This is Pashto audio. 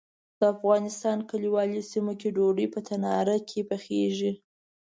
د افغانستان کلیوالي سیمو کې ډوډۍ په تناره کې پخیږي.